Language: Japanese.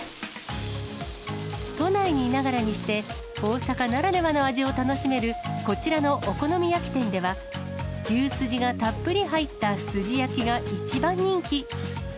都内にいながらにして、大阪ならではの味を楽しめるこちらのお好み焼き店では、牛スジがたっぷり入ったスジ焼が一番人気。